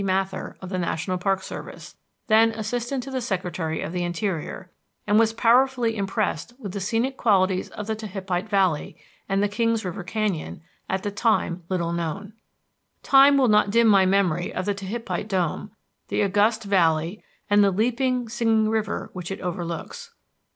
Mather, of the National Park Service, then Assistant to the Secretary of the Interior, and was powerfully impressed with the scenic qualities of the Tehipite Valley, and the Kings River Canyon, at that time little known. Time will not dim my memory of Tehipite Dome, the august valley and the leaping, singing river which it overlooks.